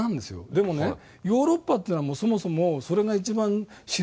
でもねヨーロッパというのはそもそもそれが一番主流だったの。